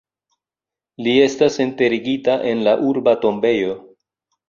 Li estas enterigita en la urba tombejo.